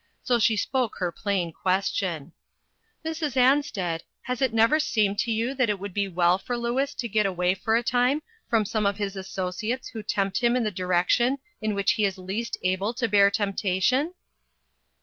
So she spoke her plain question :" Mrs. Ansted, has it never seemed to you that it would be well for Louis to get away for a time from some of his associates who tempt him in the direction in which he is least able to bear temptation